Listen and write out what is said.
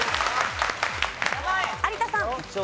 有田さん。